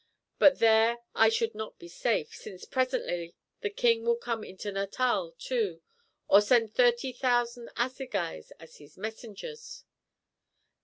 But there I should not be safe, since presently the king will come into Natal too, or send thirty thousand assegais as his messengers.